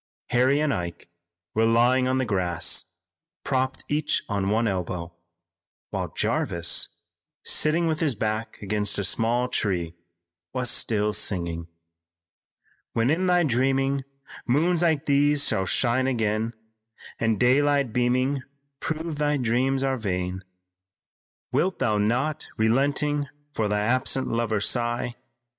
Harry and Ike were lying on the grass, propped each on one elbow, while Jarvis, sitting with his back against a small tree, was still singing: "When in thy dreaming, moons like these shall shine again And daylight beaming prove thy dreams are vain, Wilt thou not, relenting, for thy absent lover sigh?